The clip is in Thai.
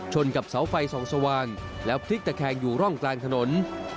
กับเสาไฟส่องสว่างแล้วพลิกตะแคงอยู่ร่องกลางถนน